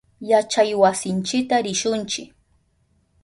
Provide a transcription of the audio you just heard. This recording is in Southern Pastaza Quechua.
Yachaywasinchita rishunchi.